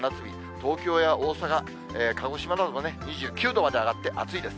東京や大阪、鹿児島などもね、２９度まで上がって、暑いです。